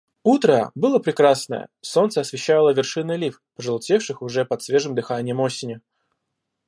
Утро было прекрасное, солнце освещало вершины лип, пожелтевших уже под свежим дыханием осени.